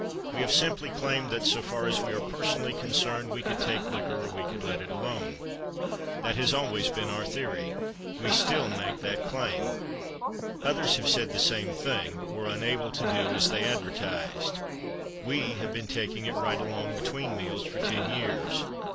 We have simply claimed that, so far as we are personally concerned, we could take liquor or we could let it alone. That has always been our theory. We still make that claim. Others have said the same thing, but were unable to do as they advertised. We have been taking it right along, between meals for ten years.